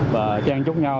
và trang trúc nhau